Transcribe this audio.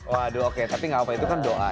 waduh oke tapi gak apa itu kan doa